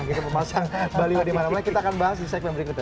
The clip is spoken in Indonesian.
kita memasang baliho dimana mana kita akan bahas di segmen berikutnya